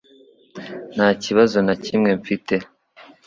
Nta kibazo na kimwe mfite.